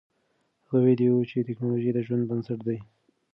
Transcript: هغه ویلي و چې تکنالوژي د ژوند بنسټ دی.